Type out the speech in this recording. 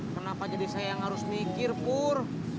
kenapa jadi saya yang harus mikir pur